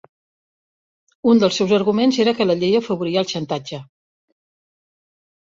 Un dels seus arguments era que la llei afavoria el xantatge.